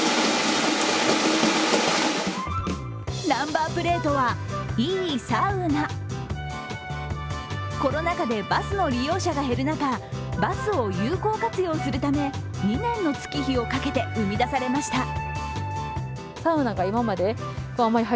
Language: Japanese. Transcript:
ナンバープレートは、「いいサウナ」コロナ禍でバスの利用者が減る中、バスを有効活用するため２年の月日をかけて生み出されました。